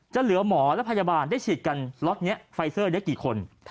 เหลือหมอและพยาบาลได้ฉีดกันล็อตนี้ไฟเซอร์นี้กี่คน